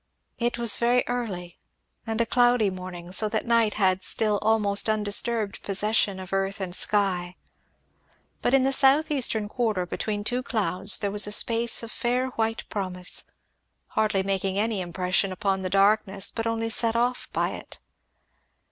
It was very early and a cloudy morning, so that night had still almost undisturbed possession of earth and sky; but in the south eastern quarter, between two clouds, there was a space of fair white promise, hardly making any impression upon the darkness but only set off by it.